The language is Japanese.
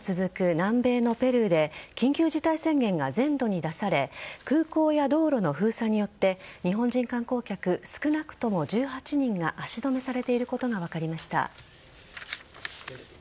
南米のペルーで緊急事態宣言が全土に出され空港や道路の封鎖によって日本人観光客少なくとも１８人が足止めされていることが分かりました。